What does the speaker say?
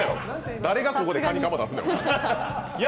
誰がここでカニカマ出すんや。